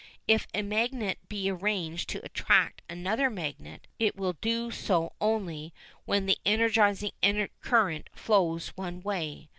If a magnet be arranged to attract another magnet, it will do so only when the energising current flows one way.